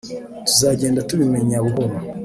tuzagenda tubimenya buhoro